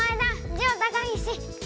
ジオ高岸！